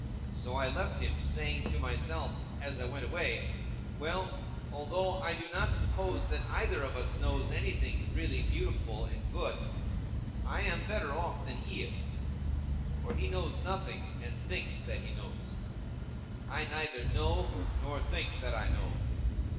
So I left him, saying to myself, as I went away: Well, although I do not suppose that either of us knows anything really beautiful and good, I am better off than he is—for he knows nothing, and thinks that he knows. I neither know nor think that I know.